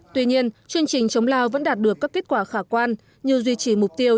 tuy nhiên chương trình chống lao vẫn đạt được các kết quả khả quan như duy trì mục tiêu